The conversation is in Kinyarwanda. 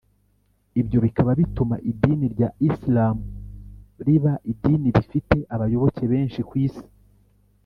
ibyo bikaba bituma idini rya isilamu riba idini rifite abayoboke benshi ku isi.